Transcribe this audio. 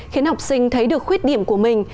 khiến học sinh thấy được khuyết điểm của mình